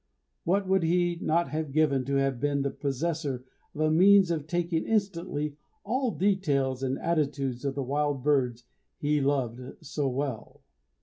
What would he not have given to have been the possessor of a means of taking instantly all the details and attitudes of the wild birds he loved so well!